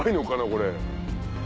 これ。